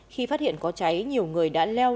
khi phát hiện có cháy nhiều người đã leo